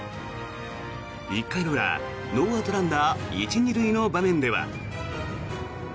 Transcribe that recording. １回の裏、ノーアウトランナー１・２塁の場面では。